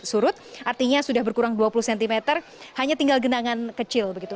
surut artinya sudah berkurang dua puluh cm hanya tinggal genangan kecil begitu